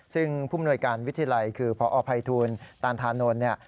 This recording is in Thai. ซึ่งผู้มนวยการวิทยาลัยคือพอภัยทูลตานธานนท์เนี่ย